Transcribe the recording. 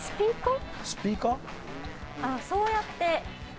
ああそうやって。